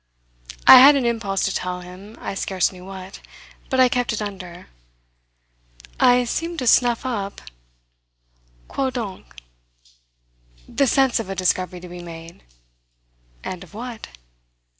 I had an impulse to tell him I scarce knew what. But I kept it under. "I seem to snuff up " "Quoi donc?" "The sense of a discovery to be made." "And of what?"